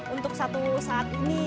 untuk satu saat ini